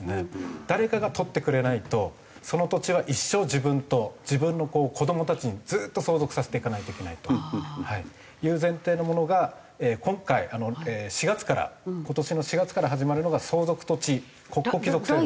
誰かが取ってくれないとその土地は一生自分と自分の子どもたちにずっと相続させていかないといけないという前提のものが今回４月から今年の４月から始まるのが相続土地国庫帰属制度。